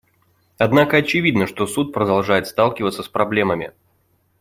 Однако очевидно, что Суд продолжает сталкиваться с проблемами.